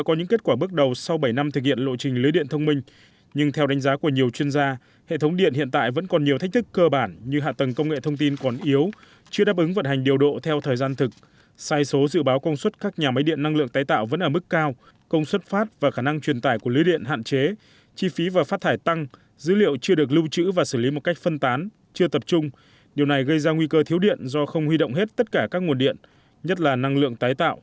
trong những kết quả bước đầu sau bảy năm thực hiện lộ trình lưới điện thông minh nhưng theo đánh giá của nhiều chuyên gia hệ thống điện hiện tại vẫn còn nhiều thách thức cơ bản như hạ tầng công nghệ thông tin còn yếu chưa đáp ứng vận hành điều độ theo thời gian thực sai số dự báo công suất các nhà máy điện năng lượng tái tạo vẫn ở mức cao công suất phát và khả năng truyền tải của lưới điện hạn chế chi phí và phát thải tăng dữ liệu chưa được lưu trữ và xử lý một cách phân tán chưa tập trung điều này gây ra nguy cơ thiếu điện do không huy động hết tất cả các nguồn điện nhất là